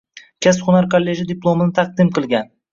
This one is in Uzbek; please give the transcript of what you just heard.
Kasb-hunar kolleji diplomini taqdim qilgan